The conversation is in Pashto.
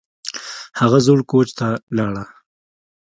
هغه زوړ کوچ ته لاړه